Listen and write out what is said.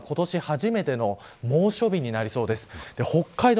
東京３５度は今年初めての猛暑日になりそうです。